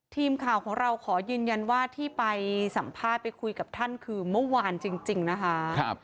ทีมข่าวของเราขอยืนยันว่าที่ไปสัมภาษณ์ไปคุยกับท่านคือเมื่อวานจริงนะคะ